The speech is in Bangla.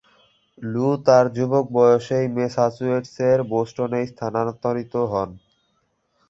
লু তার যুবক বয়সেই মেসাচুয়েটস-এর বোস্টনে স্থানান্তরিত হন।